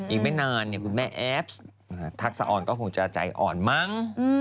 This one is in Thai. อีกไม่นานคุณแม่แอฟทักษะออนก็คงจะใจอ่อนมั้ง